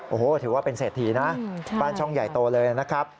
โอ้โหถือว่าเป็นเศรษฐีนะบ้านช่องใหญ่โตเลยนะครับ